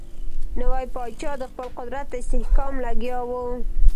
نوی پاچا د خپل قدرت استحکام لګیا وو.